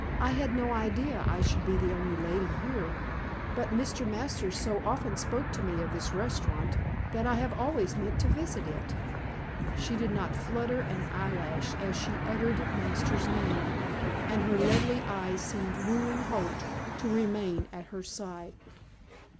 "I had no idea I should be the only lady here. But Mr. Masters so often spoke to me of this restaurant that I have always meant to visit it." She did not flutter an eyelash as she uttered Masters' name, and her lovely eyes seemed wooing Holt to remain at her side.